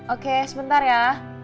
oke sebentar ya